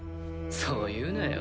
そう言うなよ。